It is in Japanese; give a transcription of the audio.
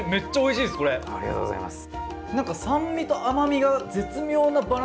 ありがとうございます。